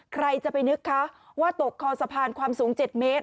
ใครจะไปนึกคะว่าตกคอสะพานความสูง๗เมตร